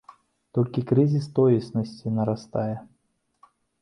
Толькі крызіс тоеснасці нарастае.